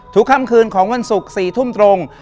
ค่ำคืนของวันศุกร์๔ทุ่มตรง